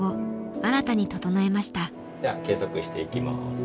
じゃあ計測していきます。